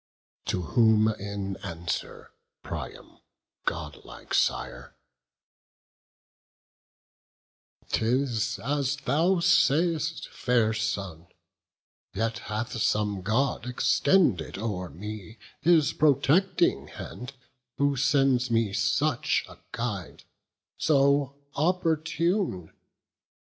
To whom in answer Priam, godlike sire: "'Tis as thou say'st, fair son; yet hath some God Extended o'er me his protecting hand, Who sends me such a guide, so opportune.